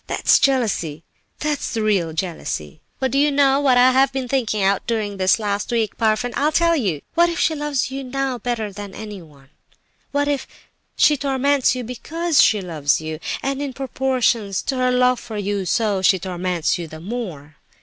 That's jealousy—that is the real jealousy. "But do you know what I have been thinking out during this last week, Parfen? I'll tell you. What if she loves you now better than anyone? And what if she torments you because she loves you, and in proportion to her love for you, so she torments you the more?